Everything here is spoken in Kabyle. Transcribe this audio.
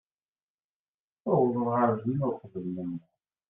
Tuwḍeḍ ɣer din uqbel-nneɣ.